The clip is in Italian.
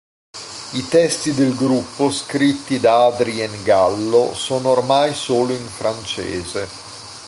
I testi del gruppo, scritti da Adrien Gallo, sono ormai solo in francese.